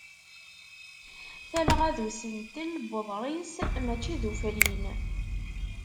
Talɣa d usentel n uḍris mačči d ufrin.